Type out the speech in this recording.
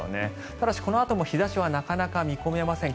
ただし、このあとも日差しはなかなか見込めません。